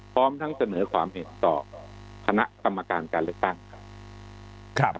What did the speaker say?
พร้อมทั้งเสนอความเห็นต่อคณะกรรมการการเลือกตั้งครับ